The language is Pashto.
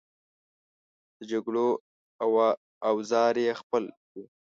د جګړې اوزار یې خپل وو.